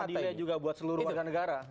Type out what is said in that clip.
apa noh delay juga buat seluruh negara